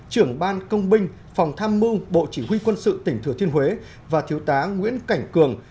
một nghìn chín trăm tám mươi sáu trưởng ban công binh phòng tham mưu bộ chỉ huy quân sự tỉnh thừa thiên huế và thiếu tá nguyễn cảnh cường